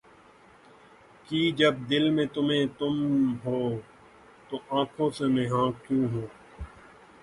کہ جب دل میں تمھیں تم ہو‘ تو آنکھوں سے نہاں کیوں ہو؟